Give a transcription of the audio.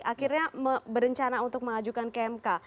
akhirnya berencana untuk mengajukan kmk